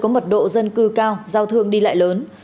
có mật độ dân cư cao giao thương đi lại lớn